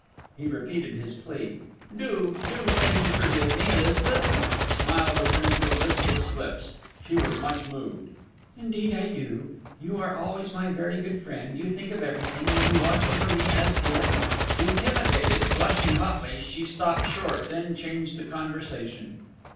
He repeated his plea. "Do, do say you forgive me, Elizabeth!" The smile returned to Elizabeth's lips: she was much moved. "Indeed, I do... You are always my very good friend: you think of everything, and you watch over me as if ..." Intimidated, blushing hotly, she stopped short, then changed the conversation.